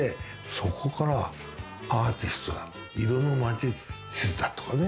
そこからアーティストだ、色の魔術師だとかね。